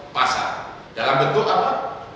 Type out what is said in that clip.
pasar dalam bentuk apa